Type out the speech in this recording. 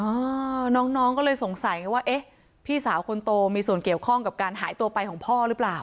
น้องน้องก็เลยสงสัยไงว่าเอ๊ะพี่สาวคนโตมีส่วนเกี่ยวข้องกับการหายตัวไปของพ่อหรือเปล่า